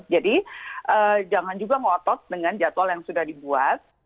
jadi jangan juga ngotot dengan jadwal yang sudah dibuat